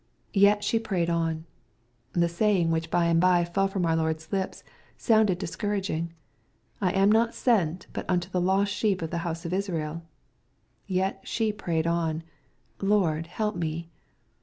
Yet she prayed on. — The saying which by and bye fell from our Lord's lips sounded discouraging :^^ I am not sent but unto the lost sheep of the house of Israel." Yet she prayed on, " Lord, help me."